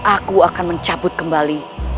aku akan mencabut kembali